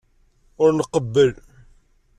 Ur nqebbel.